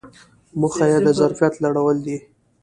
موخه یې د ظرفیت لوړول دي.